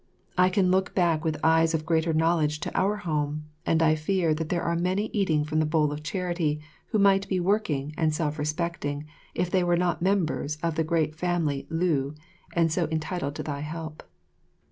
I can look back with eyes of greater knowledge to our home, and I fear that there are many eating from the bowl of charity who might be working and self respecting if they were not members of the great family Liu, and so entitled to thy help.